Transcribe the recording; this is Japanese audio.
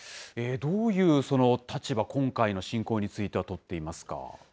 どういう立場、今回の侵攻については取っていますか。